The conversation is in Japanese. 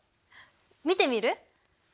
見てみる？